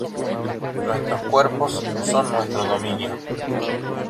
Nuestros cuerpos son nuestro dominio.